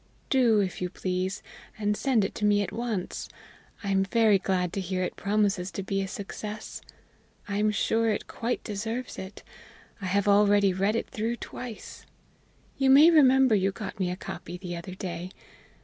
"Do, if you please, and send it me at once. I am very glad to hear it promises to be a great success. I am sure it quite deserves it. I have already read it through twice. You may remember you got me a copy the other day.